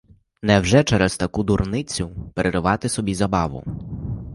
Невже через таку дурницю переривати собі забаву?